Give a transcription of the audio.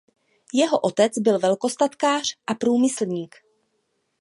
Jeho otec byl velkostatkář a průmyslník.